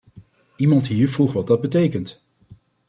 Iemand hier vroeg wat dat betekent.